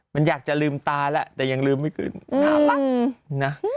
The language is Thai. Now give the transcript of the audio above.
มันอยากจะลืมตาแล้วแต่ยังลืมไม่ขึ้นน่ารักนะ